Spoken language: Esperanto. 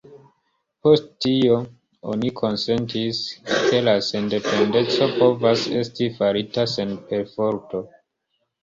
Post tio, oni konsentis, ke la sendependeco povas esti farita sen perforto.